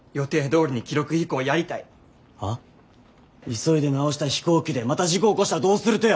急いで直した飛行機でまた事故起こしたらどうするとや！